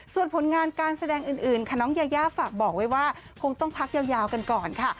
ส่วนผลงานการแสดงอื่นค่ะน้องยายาฝากบอกไว้ว่าคงต้องพักยาวกันก่อนค่ะ